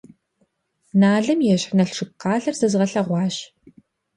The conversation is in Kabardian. Налым ещхь Налшык къалэр зэзгъэлъэгъуащ.